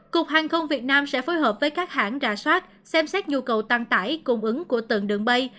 cục hàng không việt nam sẽ phối hợp với các hãng rà soát xem xét nhu cầu tăng tải cung ứng của từng đường bay